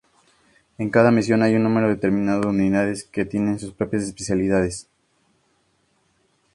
En cada misión hay un número determinado de unidades que tienen sus propias especialidades.